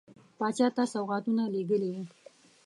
پاچا ته سوغاتونه لېږلي وه.